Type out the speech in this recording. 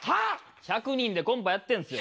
１００人でコンパやってんですよ。